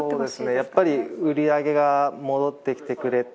やっぱり売り上げが戻ってきてくれて。